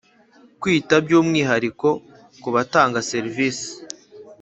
Kwita by umwihariko ku batanga serivisi